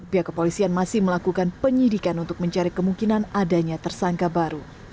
pihak kepolisian masih melakukan penyidikan untuk mencari kemungkinan adanya tersangka baru